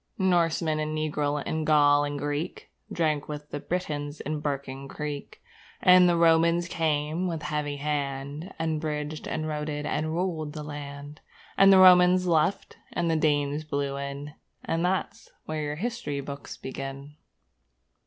Norseman and Negro and Gaul and Greek Drank with the Britons in Barking Creek, And the Romans came with a heavy hand, And bridged and roaded and ruled the land, And the Roman left and the Danes blew in And that's where your history books begin!